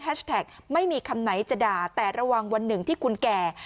ไม่มีคำไหนจะด่าแต่ระวังวันหนึ่งที่คุณแก่